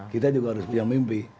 kita juga harus punya mimpi